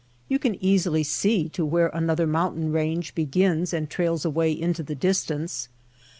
Yon can easily see to where another mountain range begins and trails away into the distance.